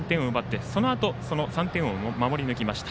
そのあと３点を守り抜きました。